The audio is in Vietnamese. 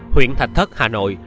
huyện thạch thất hà nội